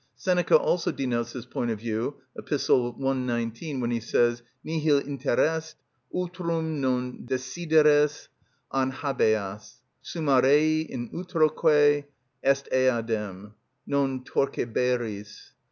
Seneca also denotes this point of view (Ep. 119) when he says: "_Nihil interest, utrum non desideres, an habeas. Summa rei in utroque est eadem: non torqueberis.